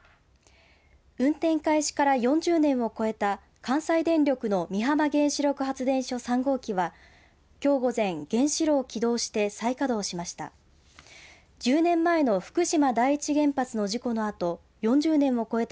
運転開始から４０年を超えた関西電力の美浜原子力発電所３号機はきょう午前、原子炉を起動して再稼働しました。